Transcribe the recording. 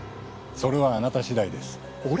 それはあなた次第です。